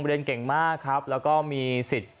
เรียนเก่งมากครับแล้วก็มีสิทธิ์